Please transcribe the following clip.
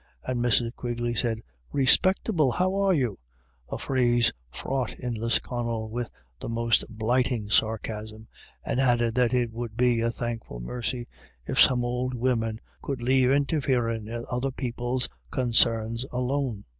And Mrs. Quigley said: " Respectable how are you ?" a phrase fraught in Lisconnel with the most blighting sarcasm, and added that it would be a thankful mercy if some ould women could lave interfarin' in other people's consarns alone.